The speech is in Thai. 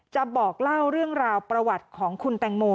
บอกเล่าเรื่องราวประวัติของคุณแตงโม